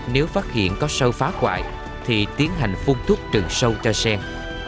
nếu phát hiện có sâu phá quại thì tiến hành phun thuốc trừng sâu cho sen